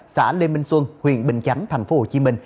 xã lê minh xuân huyện bình chánh tp hcm